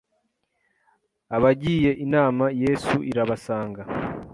Abagiye inama, Yesu irabasanga